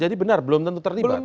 jadi benar belum tentu terlibat